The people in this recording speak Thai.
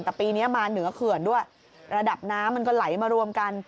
แต่ปีนี้มาเหนือเขื่อนด้วยระดับน้ำมันก็ไหลมารวมกัน